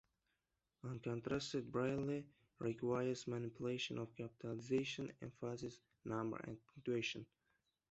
Uncontracted braille requires manipulation of capitalization, emphasis, numbers, and punctuation.